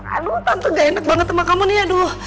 aduh tante gak enak banget sama kamu nih aduh